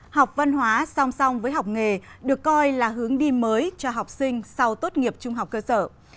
học văn hóa song song với học nghề được coi là hướng đi mới cho học sinh sau tốt nghiệp trung học cơ sở